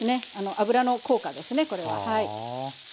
油の効果ですねこれははい。